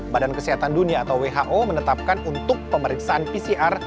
badan kesehatan dunia atau who menetapkan untuk pemeriksaan pcr